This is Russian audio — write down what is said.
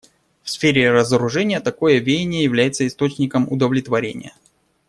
В сфере разоружения такое веяние является источником удовлетворения.